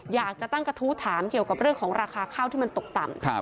อยากจะตั้งกระทู้ถามเกี่ยวกับเรื่องของราคาข้าวที่มันตกต่ำ